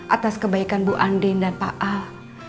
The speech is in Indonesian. atas kebaikan bu andden dan pak al